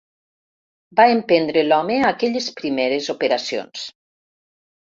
Va emprendre l'home aquelles primeres operacions